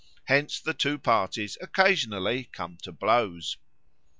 Hence the two parties occasionally come to blows.